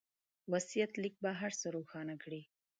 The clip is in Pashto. وصيت ليک به هر څه روښانه کړي.